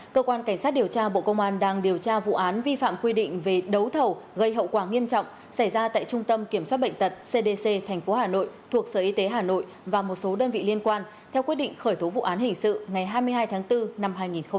cơ quan cảnh sát điều tra bộ công an đang điều tra vụ án vi phạm quy định về đấu thầu gây hậu quả nghiêm trọng xảy ra tại trung tâm kiểm soát bệnh tật cdc tp hà nội thuộc sở y tế hà nội và một số đơn vị liên quan theo quyết định khởi tố vụ án hình sự ngày hai mươi hai tháng bốn năm hai nghìn một mươi chín